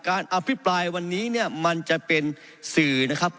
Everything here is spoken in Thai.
อภิปรายวันนี้เนี่ยมันจะเป็นสื่อนะครับ